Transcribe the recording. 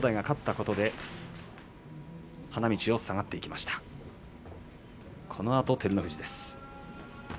このあと照ノ富士です。